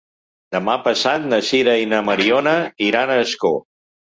Demà passat na Sira i na Mariona iran a Ascó.